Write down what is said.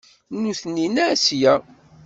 Nutni n Asya.